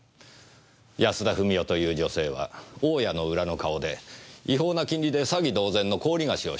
安田富美代という女性は大家の裏の顔で違法な金利で詐欺同然の高利貸しをしていました。